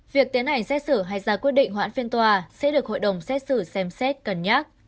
việc tiến hành xét xử hay ra quyết định hoãn phiên tòa sẽ được hội đồng xét xử xem xét cân nhắc